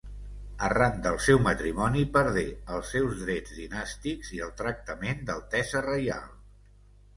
Arran del seu matrimoni perdé els seus drets dinàstics i el tractament d'altesa reial.